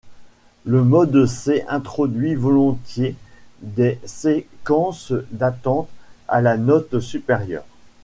Le mode C introduit volontiers des séquences d'attente à la note supérieure.